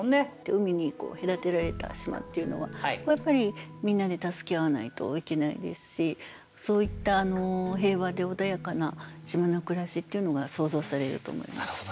海に隔てられた島っていうのはやっぱりみんなで助け合わないといけないですしそういった平和で穏やかな島の暮らしっていうのが想像されると思います。